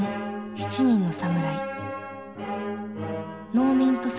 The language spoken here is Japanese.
「七人の侍」